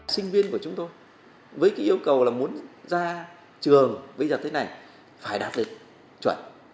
sinh viên của chúng tôi với cái yêu cầu là muốn ra trường bây giờ thế này phải đạt được chuẩn